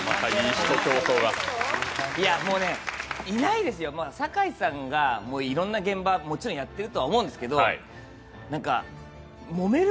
もう、いないですよ、堺さんがいろんな現場もちろんやってると思うんですけどもめる